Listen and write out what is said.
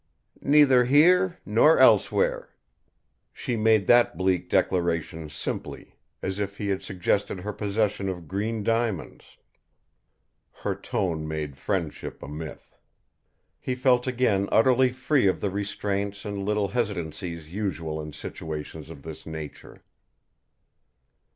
"Neither here nor elsewhere." She made that bleak declaration simply, as if he had suggested her possession of green diamonds. Her tone made friendship a myth. He felt again utterly free of the restraints and little hesitancies usual in situations of this nature.